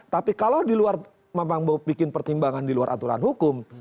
tapi kalau di luar membuat pertimbangan di luar aturan hukum